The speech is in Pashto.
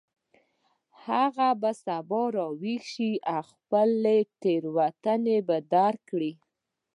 هغه به سبا راویښ شي او خپله تیروتنه به درک کړي